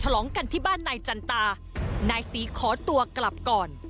ลองกันที่บ้านนายจันตานายศรีขอตัวกลับก่อน